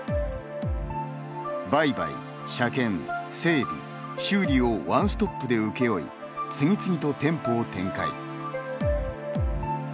売買・車検・整備・修理をワンストップで請け負い次々と店舗を展開。